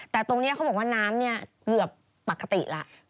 แต่ตรงนี้เขาบอกว่าน้ำเนี่ยเกือบปกติแล้ว